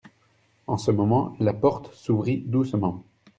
En ce moment la porte s'ouvrit doucement.